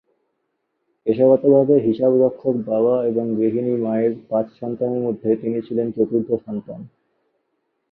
পেশাগতভাবে হিসাবরক্ষক বাবা এবং গৃহিণী মায়ের পাঁচ সন্তানের মধ্যে তিনি ছিলেন চতুর্থ সন্তান।